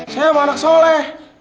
saya mah anak soleh